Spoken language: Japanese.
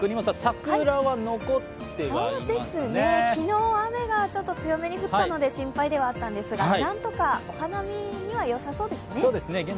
そうですね、昨日、雨がちょっと強めに降ったので心配ではあったのですが何とかお花見にはよさそうですね。